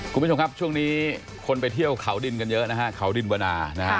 คุณผู้ชมครับช่วงนี้คนไปเที่ยวเขาดินกันเยอะนะฮะเขาดินวนานะฮะ